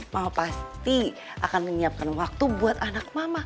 mau pasti akan menyiapkan waktu buat anak mama